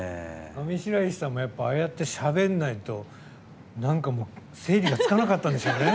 上白石さんもああやって、しゃべらないと整理がつかなかったんでしょうね。